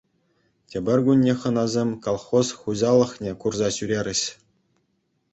Тепӗр кунне хӑнасем колхоз хуҫалӑхне курса ҫӳрерӗҫ.